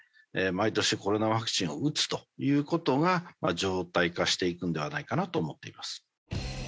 毎年コロナワクチンを打つという事が常態化していくんではないかなと思っています。